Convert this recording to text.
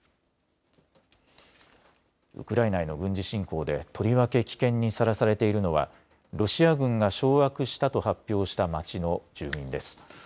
ウクライナへの軍事侵攻でとりわけ危険にさらされているのはロシア軍が掌握したと発表した街の住民です。